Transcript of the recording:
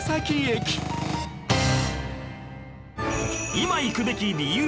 今行くべき理由